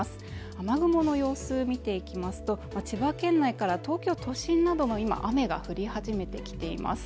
雨雲の様子見ていきますと千葉県内から東京都心なども今雨が降り始めてきています